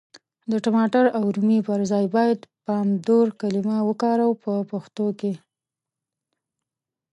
د ټماټر او رومي پر ځای بايد پامدور کلمه وکاروو په پښتو کي.